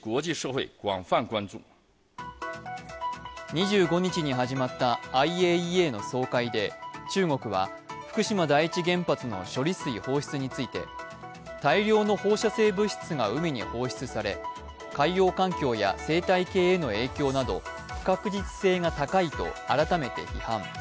２５日に始まったＩＡＥＡの総会で中国は福島第一原発の処理水放出について大量の放射性物質が海に放出され、海洋環境や生態系への影響など、不確実性が高いと改めて批判。